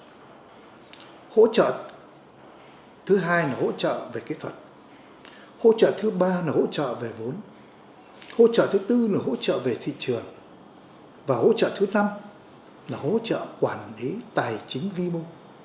hỗ trợ về định hướng sản xuất hỗ trợ thứ hai là hỗ trợ về kỹ thuật hỗ trợ thứ ba là hỗ trợ về vốn hỗ trợ thứ tư là hỗ trợ về thị trường và hỗ trợ thứ năm là hỗ trợ quản lý tài chính vi mô